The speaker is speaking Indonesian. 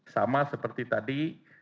sama seperti tadi